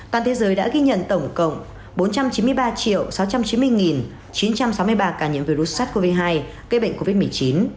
toàn thế giới đã ghi nhận tổng cộng bốn trăm chín mươi ba sáu trăm chín mươi chín trăm sáu mươi ba ca nhiễm virus sars cov hai gây bệnh covid một mươi chín